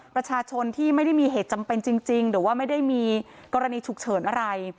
ประชาชนที่ไม่ได้มีเหตุจำเป็นจริงหรือว่าไม่ได้มีกรณีฉุกเฉินอะไร